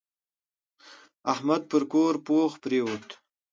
احمد پر کور پوخ پرېوت.